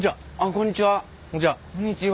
こんにちは。